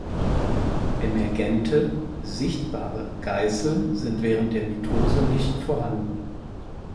Emergente (sichtbare) Geißeln sind während der Mitose nicht vorhanden.